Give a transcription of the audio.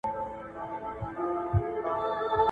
د جارو کونکي احترام وکړئ.